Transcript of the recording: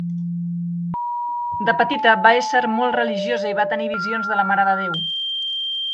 De petita va ésser molt religiosa i va tenir visions de la Mare de Déu.